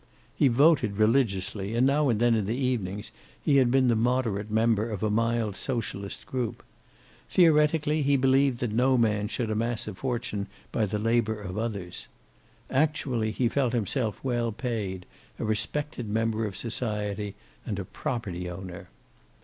He voted religiously, and now and then in the evenings he had been the moderate member of a mild socialist group. Theoretically, he believed that no man should amass a fortune by the labor of others. Actually he felt himself well paid, a respected member of society, and a property owner.